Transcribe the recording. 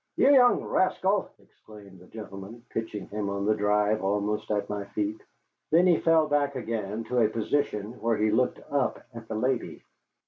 "You young rascal!" exclaimed the gentleman, pitching him on the drive almost at my feet; then he fell back again to a position where he could look up at the lady.